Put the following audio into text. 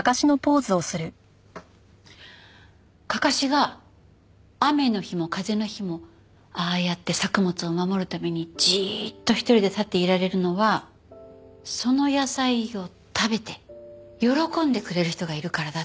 かかしが雨の日も風の日もああやって作物を守るためにじーっと一人で立っていられるのはその野菜を食べて喜んでくれる人がいるからだって。